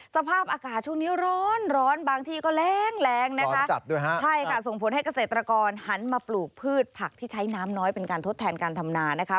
สภาพอากาศช่วงนี้ร้อนบางทีก็แรงนะคะ